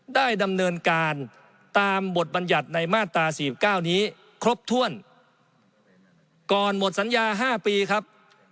ได้ดำเนินการตามบทบัญญัติในมาตรา๔๙นี้ครบถ้วนก่อนหมดสัญญา๕ปีครับ